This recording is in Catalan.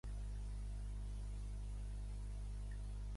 El nom llatí era igual que l'actual en occità i català Cruesa.